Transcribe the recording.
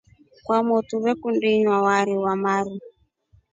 Kwamotu vakundi inywa wari wamaru.